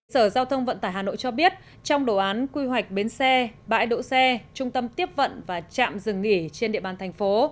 sở giao thông vận tải hà nội cho biết trong đồ án quy hoạch bến xe bãi đỗ xe trung tâm tiếp vận và chạm dừng nghỉ trên địa bàn thành phố